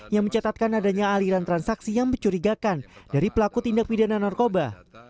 yang mencatatkan adanya aliran transaksi yang mencurigakan dari pelaku tindak pidana narkoba